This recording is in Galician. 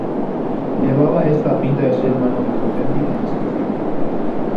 Levaba esta a pinta de ser unha noite auténtica inesquecible.